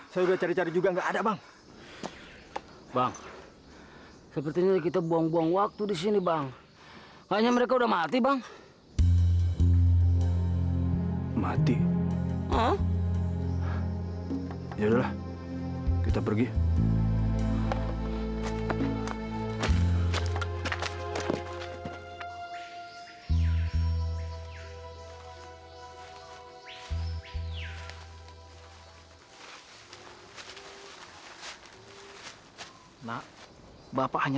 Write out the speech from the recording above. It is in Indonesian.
sampai jumpa di video selanjutnya